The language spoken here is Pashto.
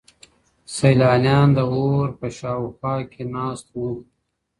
سیلانیان د اور په شاوخوا کې ناست وو.